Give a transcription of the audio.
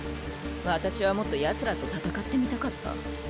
私はもっとヤツらと戦ってみたかった。